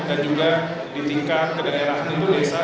dan juga di tingkat kedaerahan itu desa